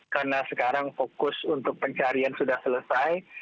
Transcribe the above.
karena sekarang fokus untuk pencarian sudah selesai